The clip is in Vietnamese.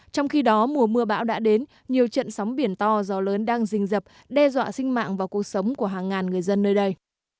trong khi đó mùa mưa bão đã đến nhiều trận sóng biển to gió lớn đang rình dập đe dọa sinh mạng và cuộc sống của hàng ngàn người dân nơi đây